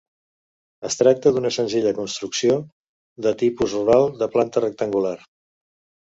Es tracta d'una senzilla construcció de tipus rural, de planta rectangular.